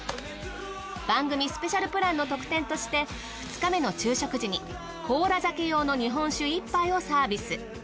番組スペシャルプランの特典として２日目の昼食時に甲羅酒用の日本酒１杯をサービス。